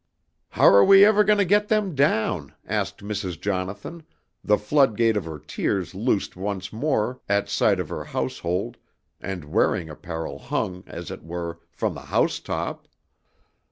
"'How are we ever going to get them down?' asked Mrs. Jonathan, the floodgate of her tears loosed once more at sight of her household and wearing apparel hung, as it were, from the housetop.